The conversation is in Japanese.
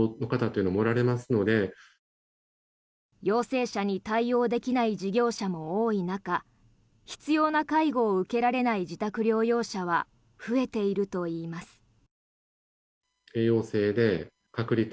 陽性者に対応できない事業者も多い中必要な介護を受けられない自宅療養者は増えているといいます。